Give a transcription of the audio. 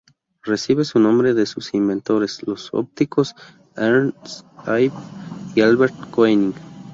Recibe su nombre de sus inventores, los ópticos Ernst Abbe y Albert Koenig.